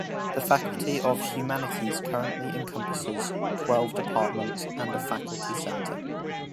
The Faculty of Humanities currently encompasses twelve departments and a faculty centre.